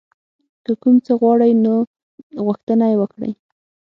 که کوم څه غواړئ نو غوښتنه یې وکړئ.